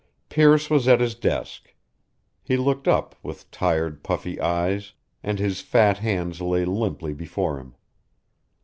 Pearce was at his desk. He looked up with tired, puffy eyes, and his fat hands lay limply before him.